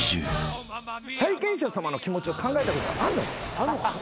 債権者さまの気持ちを考えたことあんのか？